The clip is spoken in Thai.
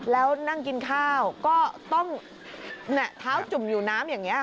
แล้วนั่งกินข้าวก็ต้องเท้าจุ่มอยู่น้ำอย่างนี้